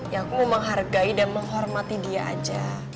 ya aku menghargai dan menghormati dia aja